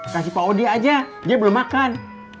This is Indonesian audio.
kasih pak odi aja dia belum makan